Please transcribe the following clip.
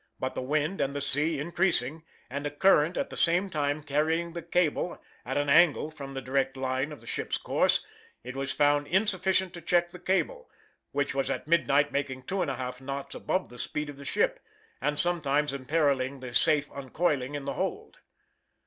but the wind and the sea increasing, and a current at the same time carrying the cable at an angle from the direct line of the ship's course, it was found insufficient to check the cable, which was at midnight making two and a half knots above the speed of the ship, and sometimes imperiling the safe uncoiling in the hold.